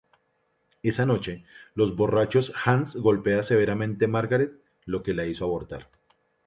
Esa noche, los borrachos Hans golpea severamente Margaret, lo que la hizo abortar.